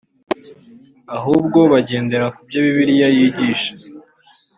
ahubwo bagendera ku byo bibiliya yigisha